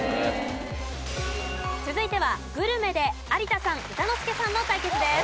続いてはグルメで有田さん歌之助さんの対決です。